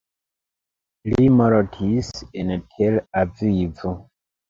Li mortis en Tel-Avivo.